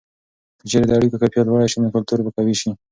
که چیرې د اړیکو کیفیت لوړه سي، نو کلتور به قوي سي.